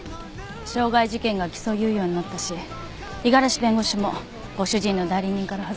傷害事件が起訴猶予になったし五十嵐弁護士もご主人の代理人から外れたから。